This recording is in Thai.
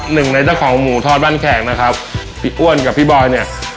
หนึ่งในเจ้าของหมูทอดบ้านแขกนะครับพี่อ้วนกับพี่บอยเนี่ย